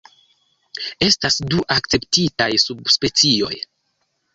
Estas du akceptitaj subspecioj.